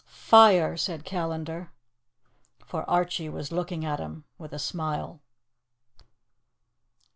... "Fire!" said Callandar. For Archie was looking at him with a smile.